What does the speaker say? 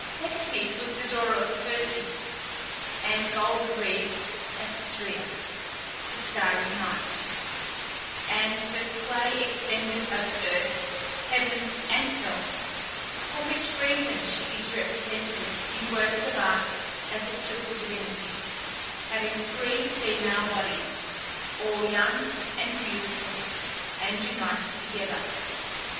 Hecate was the daughter of Perses and "gold wreathed" Astræa (the starry night), and her sway extended over earth, heaven, and hell, for which reason she is represented in works of art as a triple divinity, having three female bodies, all young and beautiful, and united together.